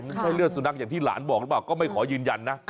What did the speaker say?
มันใช่เลือดสุนัขอย่างที่หลานบอกหรือเปล่าก็ไม่ขอยืนยันนะ